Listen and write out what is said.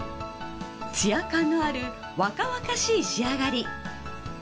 ツヤ感のある若々しい仕上がり。